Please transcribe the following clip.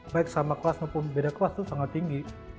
baik sama kelas maupun beda kelas itu sangat tinggi